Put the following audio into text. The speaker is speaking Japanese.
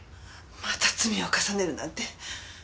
また罪を重ねるなんて。